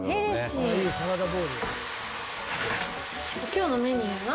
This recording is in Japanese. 今日のメニューは。